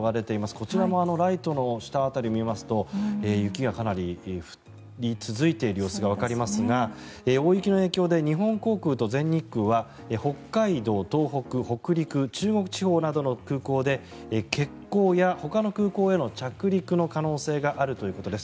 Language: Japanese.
こちらもライトの下辺りを見ますと雪がかなり降り続いている様子がわかりますが大雪の影響で日本航空と全日空は北海道・東北中国地方などの空港で欠航やほかの空港への着陸の可能性があるということです。